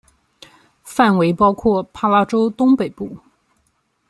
范围包括帕拉州东北部。